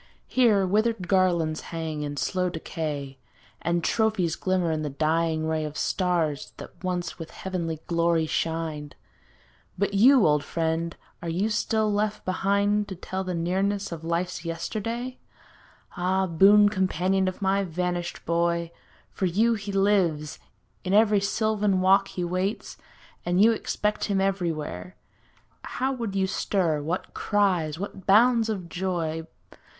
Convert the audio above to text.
Here, withered garlands hang in slow decay. And trophies glimmer in the dying ray Of stars that once with heavenly glory shined. 280 THE FALLEN But you, old friend, are you still left behind To tell the nearness of life's yesterday? Ah, boon companion of my vanished boy. For you he lives; in every sylvan walk He waits; and you expect him everywhere. How would you stir, what cries, what bounds of joy.